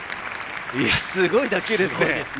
すごい打球ですね。